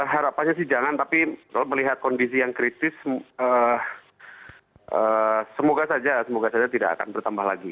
harapannya sih jangan tapi kalau melihat kondisi yang kritis semoga saja semoga saja tidak akan bertambah lagi